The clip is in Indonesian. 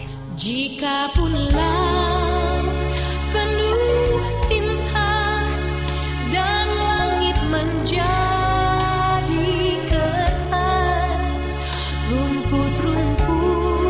menjadi kertas rumput rumput